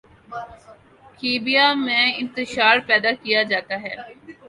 Libya میں انتشار پیدا کیا جاتا ہے۔